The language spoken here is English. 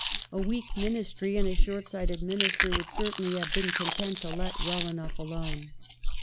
A weak Ministry and a short sighted Minister would certainly have been content to let well alone.